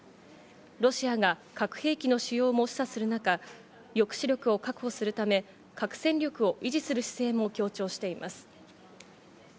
ロシアが核兵器の使用も示唆する中、抑止力を確保するため、核戦力を維持する姿勢も強調しています。